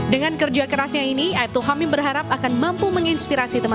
dengan kerja kerasnya ini aibtu hamim berharap akan mampu menginspirasi teman teman